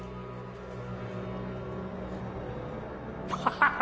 ハハハ！